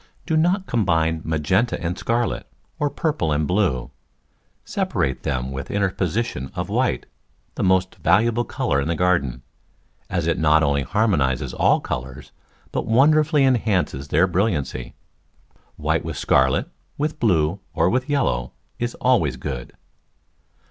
Do not combine magenta and scarlet, or purple and blue. Separate them by the interposition of white — the most valuable colour in the garden, as it not only harmonises all colours but wonderfully enhances their brilliancy. White with scarlet, with blue, or with yellow is always good.